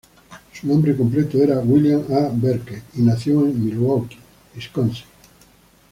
Su nombre completo era William A. Berke, y nació en Milwaukee, Wisconsin.